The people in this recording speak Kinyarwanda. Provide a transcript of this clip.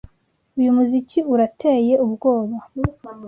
Uyu muziki urateye ubwoba.